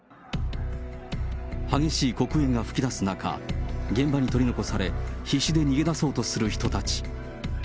激しい黒煙が噴き出す中、現場に取り残され、必死で逃げ出そうとする人たち。